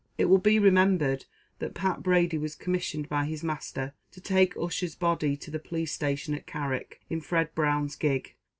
It will be remembered that Pat Brady was commissioned by his master to take Ussher's body to the police station at Carrick, in Fred Brown's gig.